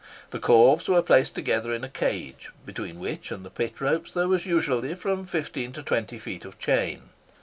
The corves were placed together in a cage, between which and the pit ropes there was usually from fifteen to twenty feet of chain.